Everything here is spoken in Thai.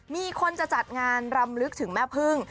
มีคนจะจัดงานรำลึกถึงแม่พึ่ง